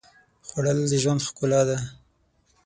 خوړل د ژوند ښکلا ده